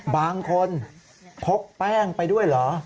บางคนพกแป้งไปด้วยเหรอ